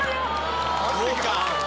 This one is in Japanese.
豪華！